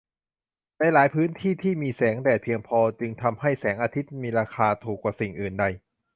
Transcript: ในหลายพื้นที่ที่มีแสงอาทิตย์เพียงพอจึงทำให้แสงอาทิตย์มีราคาถูกกว่าสิ่งอื่นใด